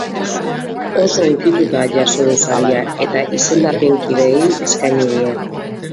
Oso hunkituta jaso du saria, eta izendapenkideei eskaini die.